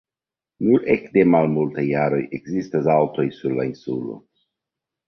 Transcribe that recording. Nur ekde malmultaj jaroj ekzistas aŭtoj sur la insulo.